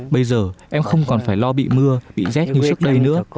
bây giờ em không còn phải lo bị mưa bị rét như trước đây nữa